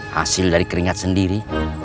hasil dari keringat sendiri